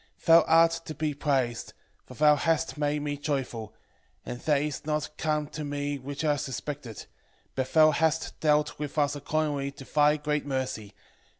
8:16 Thou art to be praised, for thou hast made me joyful; and that is not come to me which I suspected; but thou hast dealt with us according to thy great mercy.